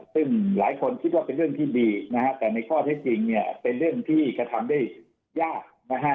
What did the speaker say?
ซึ่งหลายคนคิดว่าเป็นเรื่องที่ดีนะฮะแต่ในข้อเท็จจริงเนี่ยเป็นเรื่องที่กระทำได้ยากนะฮะ